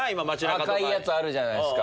赤いやつあるじゃないですか。